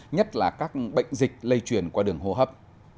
nhất là các bệnh dịch lây truyền qua đường hô hấp